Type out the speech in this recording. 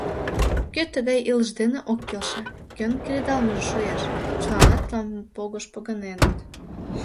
Кӧ тыгай илыш дене ок келше, кӧн кредалмыже шуэш, чыланат Лампонгыш погыненыт.